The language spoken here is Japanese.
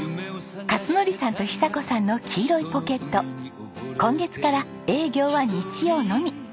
勝則さんと寿子さんのきいろいポケット今月から営業は日曜のみ。